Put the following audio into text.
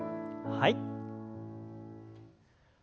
はい。